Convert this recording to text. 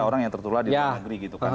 orang yang tertulah di luar negeri